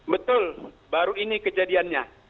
betul baru ini kejadiannya